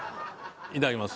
いただきます。